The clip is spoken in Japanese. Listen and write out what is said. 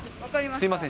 すみません。